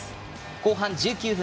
後半１９分。